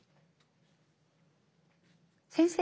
先生？